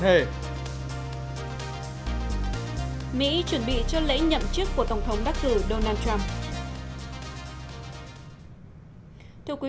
k sáu mươi ba ancora haveidore đánh giá chung cấp những số shame especially hard